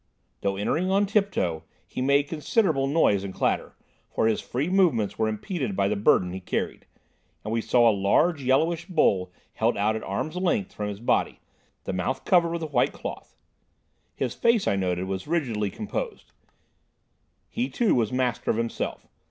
Though entering on tiptoe, he made considerable noise and clatter, for his free movements were impeded by the burden he carried, and we saw a large yellowish bowl held out at arms' length from his body, the mouth covered with a white cloth. His face, I noted, was rigidly composed. He, too, was master of himself.